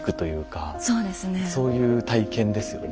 そういう体験ですよね。